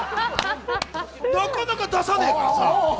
なかなか出さねえからさ。